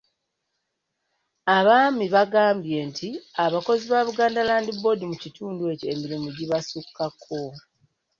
Abaami baagambye nti abakozi ba Buganda Land Board mu kitundu ekyo emirimu gibasukkako.